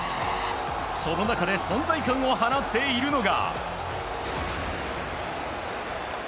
その中で存在感を放っているのが。